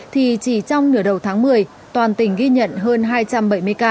thì chỉ trong nửa đầu tháng một mươi toàn tỉnh ghi nhận hơn hai trăm bảy mươi ca